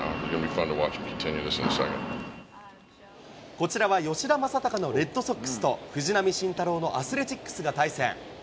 こちらは吉田正尚のレッドソックスと、藤浪晋太郎のアスレチックスが対戦。